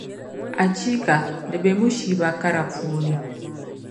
Achiika! Di be mushiiba kara puuni.